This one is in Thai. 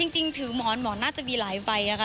จริงถือหมอนหมอนน่าจะมีหลายใบค่ะ